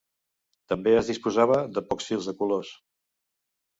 També es disposava de pocs fils de colors.